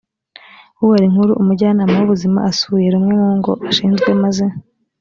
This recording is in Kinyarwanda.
ubara inkuru umujyanama w ubuzima asuye rumwe mu ngo ashinzwe maze